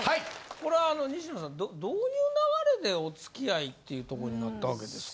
これは西野さんどういう流れでお付き合いっていうとこになったわけですか？